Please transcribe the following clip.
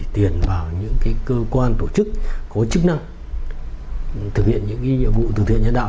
tiền vào những cơ quan tổ chức có chức năng thực hiện những nhiệm vụ từ thiện nhân đạo